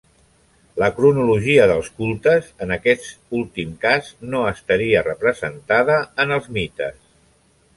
La cronologia dels cultes, en aquest últim cas, no estaria representada en els mites.